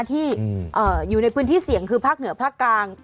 ที่อยู่ในพื้นที่เสี่ยงคือภาคเหนือภาคกลาง